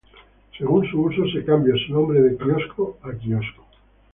Según su uso se cambia su nombre de kiosco a quiosco